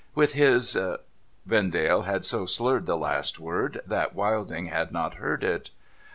' 'With his ?' Vendale had so slurred the last word, that Wilding had not heard it.